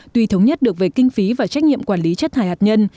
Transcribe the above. tuy thống nhất được về kinh phí và trách nhiệm quản lý chất thải hạt nhân